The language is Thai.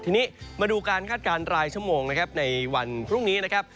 ทีนี้มาดูการคาดการณ์รายชั่วโมงนะครับในวันพรุ่งนี้นะครับ